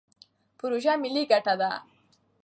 پروژه ملي ګټه ده.